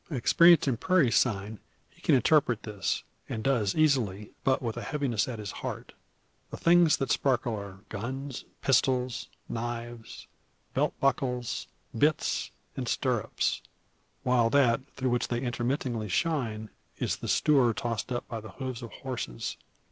Experienced in prairie sign he can interpret this; and does easily, but with a heaviness at his heart. The things that sparkle are guns, pistols, knives, belt buckles, bitts, and stirrups; while that through which they intermittingly shine is the stoor tossed up by the hooves of horses.